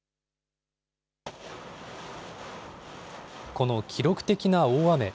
この記録的な大雨。